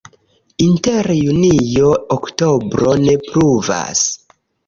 Inter junio-oktobro ne pluvas.